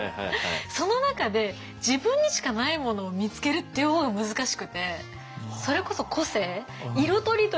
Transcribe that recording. その中で自分にしかないものを見つけるっていう方が難しくてそれこそ個性見つけることと。